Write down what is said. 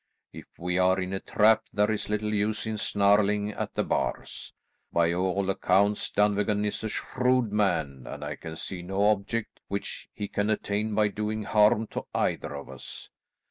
If we are in a trap there is little use in snarling at the bars. By all accounts Dunvegan is a shrewd man, and I can see no object which he can attain by doing harm to either of us.